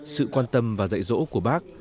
sự quan tâm và dạy dỗ của bác